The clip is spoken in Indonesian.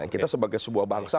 kita sebagai sebuah bangsa